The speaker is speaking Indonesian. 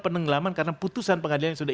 penenggelaman karena putusan pengadilan yang sudah